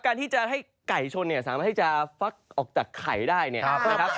การที่จะให้ไก่ชนเนี่ยสามารถที่จะฟักออกจากไข่ได้เนี่ยนะครับ